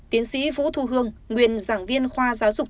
tiến sĩ vũ thu hương nguyên giảng viên khoa giáo dục